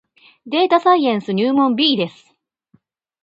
データサイエンス入門 B です